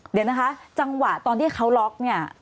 เดี๋ยวนะคะจังหวะตอนที่เขาล็อค